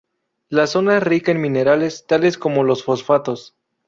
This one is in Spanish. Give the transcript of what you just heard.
La zona es rica en minerales, tales como los fosfatos.